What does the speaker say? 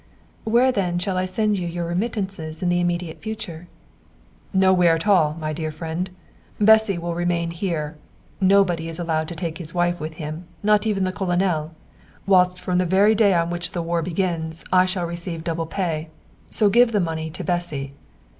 "Where, then, shall I send you your remittances in the immediate future?" "Nowhere at all, dear friend. Bessy will remain here. Nobody is allowed to take his wife with him, not even the Colonel; whilst from the very day on which the war begins I shall receive double pay. So give the money to Bessy."